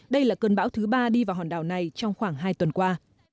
đây là cơn bão thứ ba đi vào hòn đảo này trong khoảng hai tuần qua